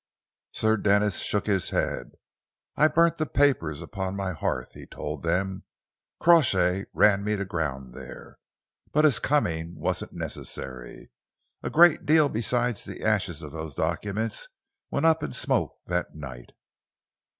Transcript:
Sir Denis shook his head. "I burnt the papers upon my hearth," he told them. "Crawshay ran me to ground there, but his coming wasn't necessary. A great deal besides the ashes of those documents went up in smoke that night."